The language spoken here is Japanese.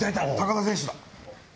田選手だ。